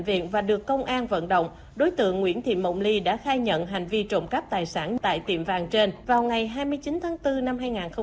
viện và được công an vận động đối tượng nguyễn thị mộng ly đã khai nhận hành vi trộm cắp tài sản tại tiệm vàng trên vào ngày hai mươi chín tháng bốn năm hai nghìn hai mươi